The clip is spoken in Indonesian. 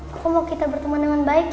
aku mau kita berteman dengan baik ya